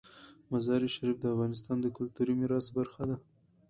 مزارشریف د افغانستان د کلتوري میراث برخه ده.